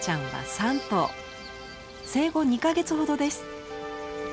生後２か月ほどです。